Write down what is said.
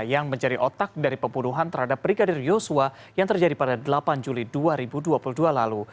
yang menjadi otak dari pembunuhan terhadap brigadir yosua yang terjadi pada delapan juli dua ribu dua puluh dua lalu